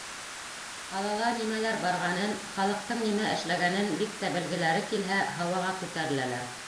Ҡалала нимәләр барғанын, халыҡтың нимә эшләгәнен бик тә белгеләре килһә, һауаға күтәреләләр.